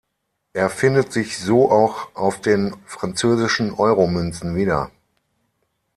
Er findet sich so auch auf den französischen Euro-Münzen wieder.